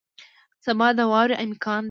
سبا د واورې امکان دی